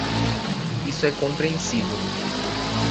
Isso é compreensível.